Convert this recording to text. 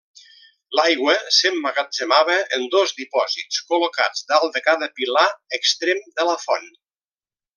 L'aigua s'emmagatzemava en dos dipòsits col·locats dalt de cada pilar extrem de la font.